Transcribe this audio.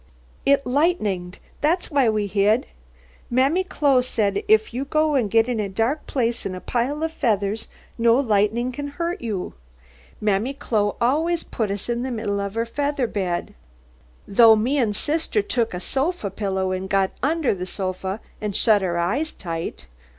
"It lightened, that's why we hid. Mammy Chloe thed if you go get in a dark plathe on a pile of featheths, no lightnin' can hurt you. Mammy Chloe always puth uth in the middle of her feather bed. Tho me and thithter took a thofa pillow and got under the thofa and shut our eyeth tight.